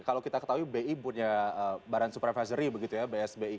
kalau kita ketahui bi punya barang supervisory begitu ya bsbi